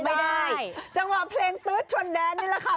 ไม่ได้จังหวะเพลงตื๊ดชนแดนนี่แหละค่ะ